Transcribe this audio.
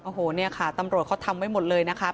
โอ้โหเนี่ยค่ะตำรวจเขาทำไว้หมดเลยนะคะ